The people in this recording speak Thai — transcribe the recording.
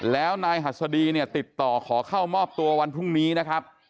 แล้วนายหัสดีเนี่ยติดต่อขอเข้ามอบตัววันพรุ่งนี้นะครับ